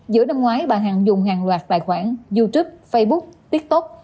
giữa năm ngoái bà hằng dùng hàng loạt tài khoản youtube facebook tiktok